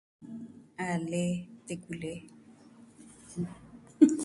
A lee, teku lee.